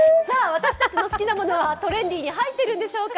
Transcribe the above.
私たちの好きなものはトレンディに入っているんでしょうか？